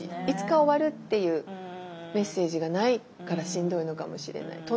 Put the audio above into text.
いつか終わるっていうメッセージがないからしんどいのかもしれない。